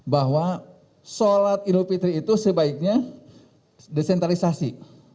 bahwa sholat idul fitri itu sebaiknya desentralisasi